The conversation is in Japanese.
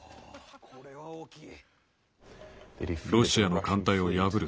これは大きい。